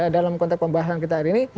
dalam konteks pembahasan kita hari ini